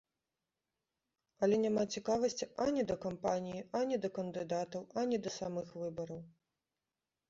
Але няма цікавасці ані да кампаніі, ані да кандыдатаў, ані да самых выбараў.